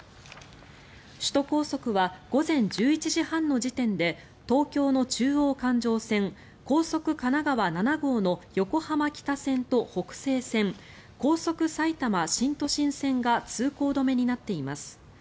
首都高速は午前１１時半の時点で東京の中央環状線高速神奈川７号の横浜北線と北西線高速埼玉新都心線が通行止めになっています。